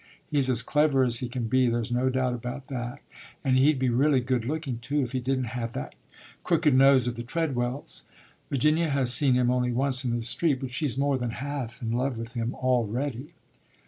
He's as clever as he can be, there's no doubt of that, and he'd be really good looking, too, if he didn't have the crooked nose of the Treadwells. Virginia has seen him only once in the street, but she's more than half in love with him already."